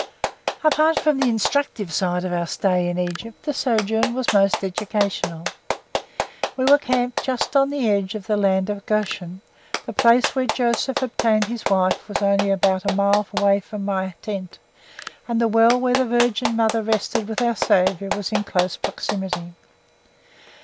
Apart from the instructive side of our stay in Egypt, the sojourn was most educational. We were camped just on the edge of the Land of Goshen; the place where Joseph obtained his wife was only about a mile away from my tent, and the well where the Virgin Mother rested with our Saviour was in close proximity.